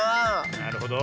なるほど。